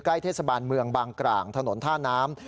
เทศบาลเมืองบางกร่างถนนท่าน้ำ